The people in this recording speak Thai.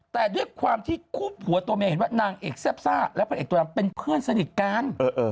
แต่ด้วยความที่คู่ผัวตัวเมียเห็นว่านางเอกแซ่บซ่าและพระเอกตัวดำเป็นเพื่อนสนิทกัน